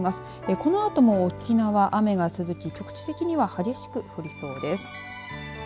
この後も沖縄、雨が続き局地的には激しく降りそうです。